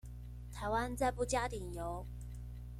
台灣再不加點油